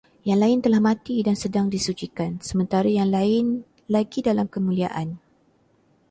Yang lain telah mati dan sedang disucikan, sementara yang lain lagi dalam kemuliaan